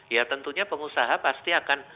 ya tentunya pengusaha pasti akan